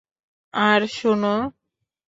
আর, শোনো।